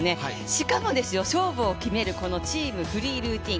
しかも、勝負を決めるチーム・フリールーティン。